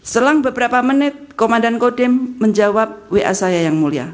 selang beberapa menit komandan kodim menjawab wa saya yang mulia